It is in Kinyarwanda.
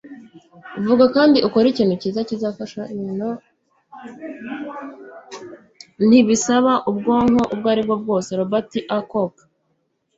vuga kandi ukore ikintu cyiza kizafasha ibintu; ntibisaba ubwonko ubwo aribwo bwose. - robert a. cook